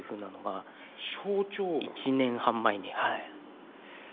１年半前にはい。